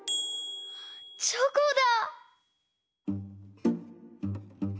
チョコだ。